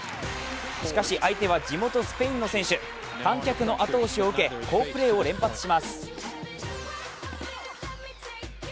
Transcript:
しかし相手は、地元スペインの選手観客の後押しを受け好プレーを連発します。